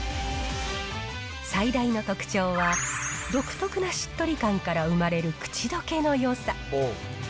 最大の特徴は、独特なしっとり感から生まれるくちどけのよさ。